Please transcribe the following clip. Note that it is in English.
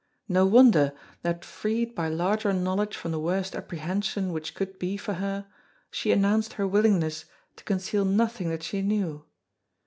No wonder that freed by larger knowledge from the worst apprehension which could be for her, she announced her willingness to conceal nothing that she knew.